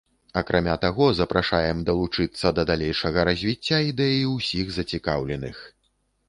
Акрамя таго, запрашаем далучыцца да далейшага развіцця ідэі ўсіх зацікаўленых.